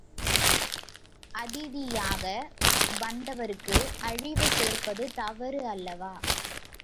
அதிதியாக வந்தவருக்கு அழிவு சேர்ப்பது தவறு அல்லவா!